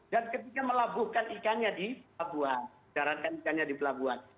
dan ketika melabuhkan ikannya di pelabuhan jaratan ikannya di pelabuhan